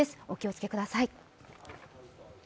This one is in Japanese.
お気をつけください。